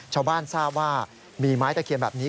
ชาวบ้านทราบว่ามีไม้ตะเคียนแบบนี้